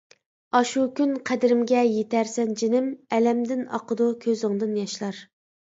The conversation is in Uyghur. ئاشۇ كۈن قەدرىمگە يىتەرسەن جېنىم، ئەلەمدىن ئاقىدۇ كۈزۈڭدىن ياشلار.